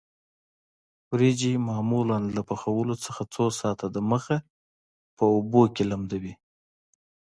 وریجې معمولاً له پخولو څخه څو ساعته د مخه په اوبو کې لمدوي.